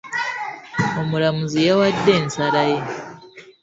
Omulamuzi yawadde ensala ye.